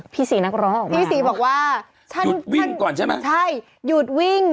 พี่สีว่านี่